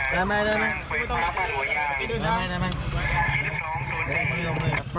ทางวิทยุ๓หน้า